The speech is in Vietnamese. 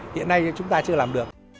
hiện nay chúng ta chưa làm được